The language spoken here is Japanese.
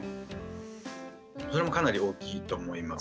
それもかなり大きいと思います。